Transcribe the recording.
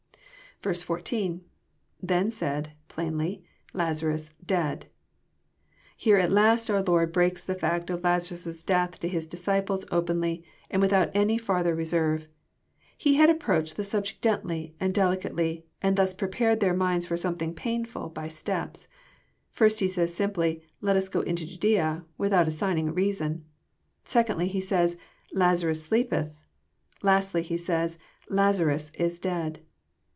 — IThen 8aid.,.plainly...Lazaru8,.,dead.'] Here at last our Lord breaks the fact of Lazarus' death to His disciples openly, and without any farther reserve. He had approached the sub ject gently and delicately, and thus prepared their minds for something painftil, by steps. First He said simply, Let us go into Judsea," without assigning a reason. Secondly He said, Lazarus sleepeth." Lastly He says, *' Lazarus is dead."